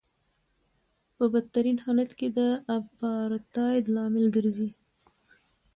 په بدترین حالت کې د اپارټایډ لامل ګرځي.